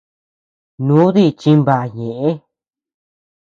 Nudii chinbaʼa ñeʼë.